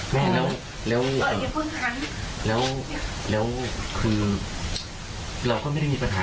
แม่แล้วแล้วแล้วแล้วคือเราก็ไม่ได้มีปัญหากับเขา